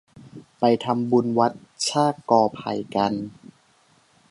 ไปทำบุญวัดชากกอไผ่กัน